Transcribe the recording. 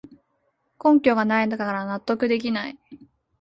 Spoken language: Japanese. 根拠がないから納得できない